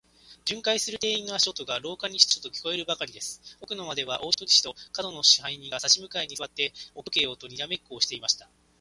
巡回する店員の足音が、廊下にシトシトと聞こえるばかりです。奥の間では、大鳥氏と門野支配人が、さし向かいにすわって、置き時計とにらめっこをしていました。